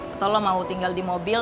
atau lo mau tinggal di mobil